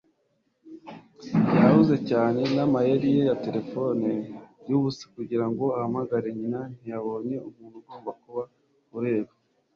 Yahuze cyane n'amayeri ye ya terefone yubusa kugirango ahamagare nyina ntiyabonye umuntu ugomba kuba ureba.